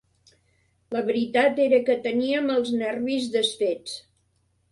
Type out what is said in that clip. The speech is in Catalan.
La veritat era que teníem els nervis desfets